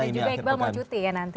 dan juga iqbal mau cuti ya nanti